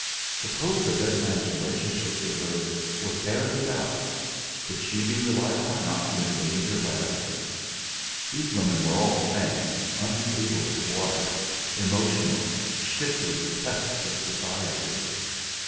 Suppose the dead man's relationship to her were ferreted out, could she be relied on not to endanger Larry? These women were all the same, unstable as water, emotional, shiftless pests of society.